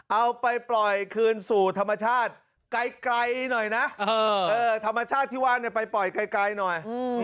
เอาไปปล่อยคืนสู่ธรรมชาติไกลหน่อยนะธรรมชาติที่ว่าไปปล่อยไกลหน่อย